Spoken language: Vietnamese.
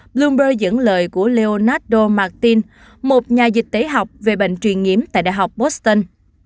đây là một lời của leonardo martin một nhà dịch tế học về bệnh truyền nhiễm tại đại học boston